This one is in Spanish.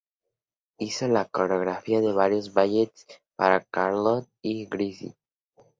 Hizo la coreografía de varios ballets para Carlotta Grisi.